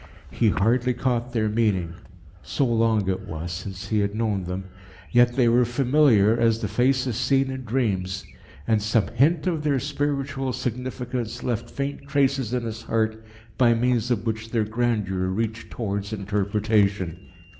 He hardly caught their meaning, so long it was since, he had known them; yet they were familiar as the faces seen in dreams, and some hint of their spiritual significance left faint traces in his heart by means of which their grandeur reached towards interpretation.